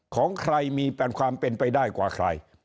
ของใครมีความเป็นไปได้กว่าใคร